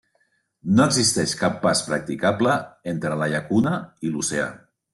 No existeix cap pas practicable entre la llacuna i l'oceà.